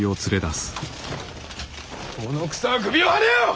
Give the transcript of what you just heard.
この草の首をはねよ！